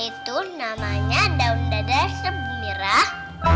itu namanya daun dadap serap mirah